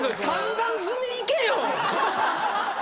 三段積みいけよ！